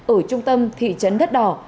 ở trung tâm thị trấn đất đỏ